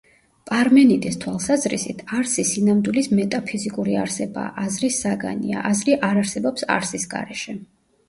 პარმენიდეს თვალსაზრისით, არსი სინამდვილის მეტაფიზიკური არსებაა, აზრის საგანია; აზრი არ არსებობს არსის გარეშე.